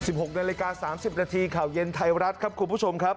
หกนาฬิกาสามสิบนาทีข่าวเย็นไทยรัฐครับคุณผู้ชมครับ